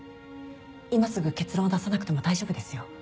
今すぐ結論を出さなくても大丈夫ですよ。